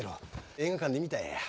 映画館で見たんや。